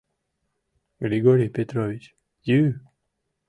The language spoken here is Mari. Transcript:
Григорий Петрович, йӱ!..